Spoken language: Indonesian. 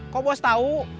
kok bos tau